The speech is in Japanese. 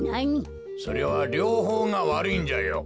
それはりょうほうがわるいんじゃよ。